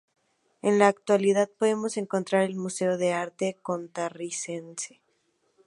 En la actualidad podemos encontrar el Museo de Arte Costarricense.